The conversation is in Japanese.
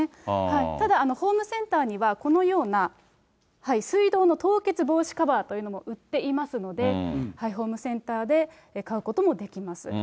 ただ、ホームセンターにはこのような水道の凍結防止カバーというのも売っていますので、ホームセンターで買うこともできます。